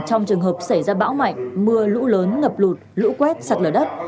trong trường hợp xảy ra bão mạnh mưa lũ lớn ngập lụt lũ quét sạt lở đất